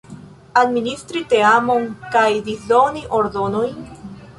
Administri teamon kaj disdoni ordonojn?